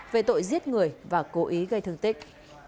về tội giết người và cố ý gây thương tích